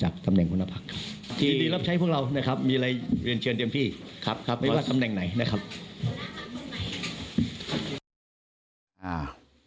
พวกเรานะครับมีอะไรฝั่งเตรียมพี่ครับครับไม่ว่าตำแดงไหนนะครับ